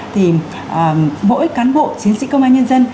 thì mỗi cán bộ chiến sĩ công an nhân dân